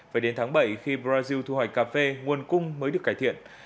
phải đến tháng bảy khi brazil thu hoạch cà phê nguồn cung mới được cải thiện